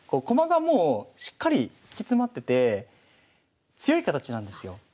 駒がもうしっかり敷き詰まってて強い形なんですよ。